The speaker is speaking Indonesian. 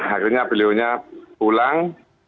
akhirnya beliau pulang